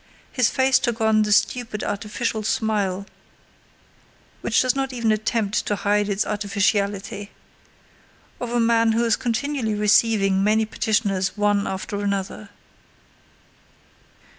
His face took on the stupid artificial smile (which does not even attempt to hide its artificiality) of a man who is continually receiving many petitioners one after another.